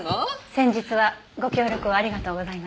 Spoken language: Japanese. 先日はご協力をありがとうございました。